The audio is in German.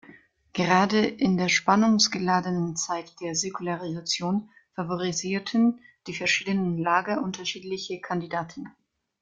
Gerade in der spannungsgeladenen Zeit der Säkularisation favorisierten die verschiedenen Lager unterschiedliche Kandidaten.